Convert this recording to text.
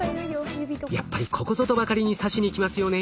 やっぱりここぞとばかりに刺しにきますよね。